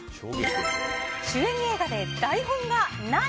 主演映画で台本がない。